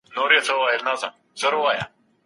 روایتونه د تاریخي پیښو تصدیق کوي.